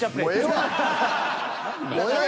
もうええわ！